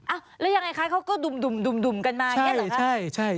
แล้วยังไงคะเขาก็ดุ่มกันมาอย่างนี้เหรอคะ